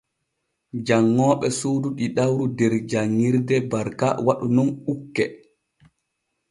Janŋooɓe suudu ɗiɗawru der janŋirde Barka waɗu nun ukke.